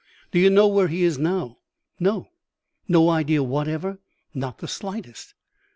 "Do you know where he is now?" "No." "No idea whatever?" "Not the slightest."